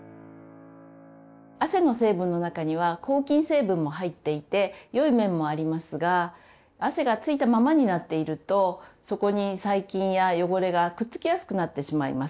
汗の成分の中には抗菌成分も入っていてよい面もありますが汗が付いたままになっているとそこに細菌や汚れがくっつきやすくなってしまいます。